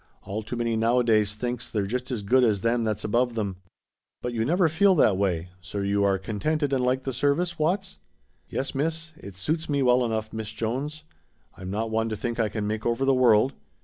"All too many nowadays thinks they're just as good as them that's above them." "But you never feel that way, so you are contented and like the service, Watts?" "Yes, Miss. It suits me well enough, Miss Jones. I'm not one to think I can make over the world.